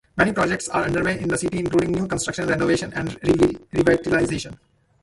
Many projects are underway in the city including new construction, renovation, and revitalization.